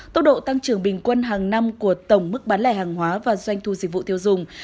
tốc độ tăng trưởng bình quân hàng năm của tổng mức bán lẻ hàng hóa và doanh thu dịch vụ tiêu dùng